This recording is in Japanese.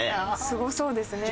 すごそうですね。